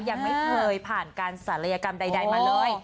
ยังไม่เคยผ่านการศัลยกรรมใดมาเลย